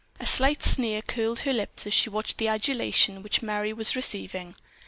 A slight sneer curled her lips as she watched the adulation which Merry was receiving.